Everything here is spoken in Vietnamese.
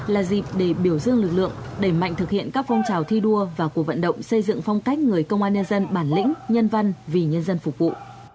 là dịp để biểu dương lực lượng đẩy mạnh thực hiện các phong trào thi đua và cuộc vận động xây dựng phong cách người công an nhân dân bản lĩnh nhân văn vì nhân dân phục vụ